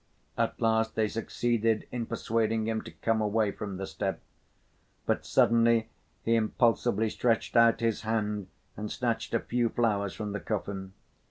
At last they succeeded in persuading him to come away from the step, but suddenly he impulsively stretched out his hand and snatched a few flowers from the coffin.